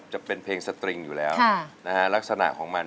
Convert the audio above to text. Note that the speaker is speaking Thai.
จะเป็นเพลงสตริงอยู่แล้วนะฮะลักษณะของมัน